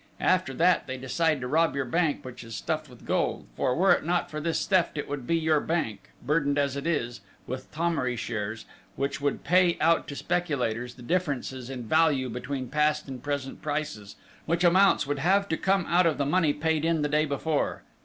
After that they decide to rob your Bank which is stuffed with gold; for, were it not for this theft, it would be your Bank, burdened as it is, with Thomery shares, which would pay out to speculators the differences in value between past and present prices which amounts would have to come out of the money paid in the day before.